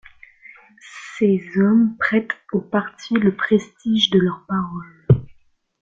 Ces hommes prêtent au parti le prestige de leur parole.